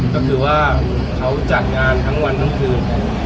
ก็คือว่าเขาจัดงานทั้งวันทั้งคืน